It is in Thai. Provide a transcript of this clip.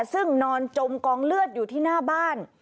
ซึ่งนอนจมกองเลือดอยู่ที่หน้าบ้าน